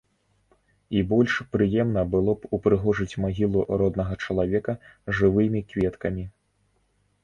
І больш прыемна было б упрыгожыць магілу роднага чалавека жывымі кветкамі.